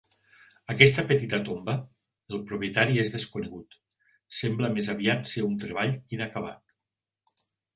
Aquesta petita tomba, el propietari és desconegut, sembla més aviat ser un treball inacabat.